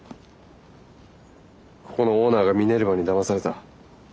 ここのオーナーがミネルヴァにだまされた。